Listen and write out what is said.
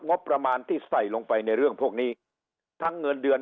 งบประมาณที่ใส่ลงไปในเรื่องพวกนี้ทั้งเงินเดือน